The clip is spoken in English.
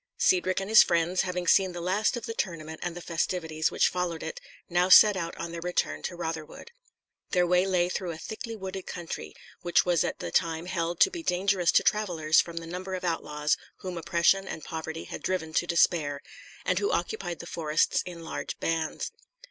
Cedric and his friends, having seen the last of the tournament and the festivities which followed it, now set out on their return to Rotherwood. Their way lay through a thickly wooded country, which was at the time held to be dangerous to travellers from the number of outlaws whom oppression and poverty had driven to despair, and who occupied the forests in large bands.